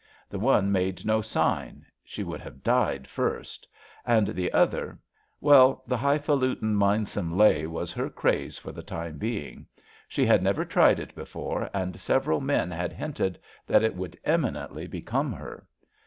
The one made no sign, she would have died first; and the other — ^well, the high falutin mindsome lay was her craze for the time being. She had never tried it before and several men had hinted that it would eminently become her.